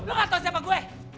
lu gak tau siapa gue